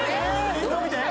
・映像見て？